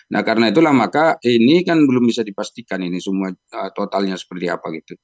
nah karena itulah maka ini kan belum bisa dipastikan ini semua totalnya seperti apa gitu